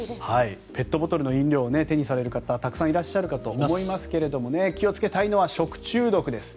ペットボトルの飲料を手にする方たくさんいらっしゃると思いますが気をつけたいのは食中毒です。